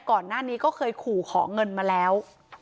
ก่อนหน้านี้ก็เคยขู่ขอเงินมาแล้ว